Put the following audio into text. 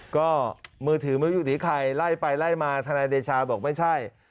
ก็มือถือไม่รู้อยู่ดีใครไล่ไปไล่มาทนายเดชาบอกไม่ใช่